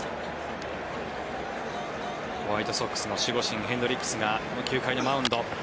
ホワイトソックスの守護神ヘンドリックスがこの９回のマウンド。